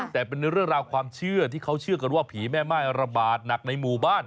แต่เป็นเรื่องราวความเชื่อที่เขาเชื่อกันว่าผีแม่ม่ายระบาดหนักในหมู่บ้าน